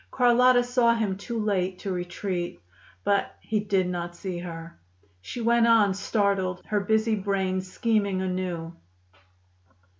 Carlotta saw him too late to retreat. But he did not see her. She went on, startled, her busy brain scheming anew.